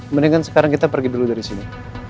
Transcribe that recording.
mendingan sekarang kita pergi dulu dari sini